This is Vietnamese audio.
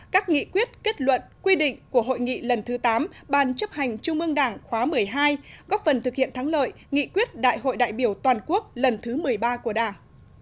các nghị quyết kết luận quy định của hội nghị lần thứ tám ban chấp hành trung ương đảng khóa một mươi hai góp phần thực hiện thắng lợi nghị quyết đại hội đại biểu toàn quốc lần thứ một mươi ba của đảng